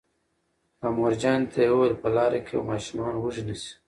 او مورجانې ته یې وویل: په لاره کې به ماشومان وږي نه شي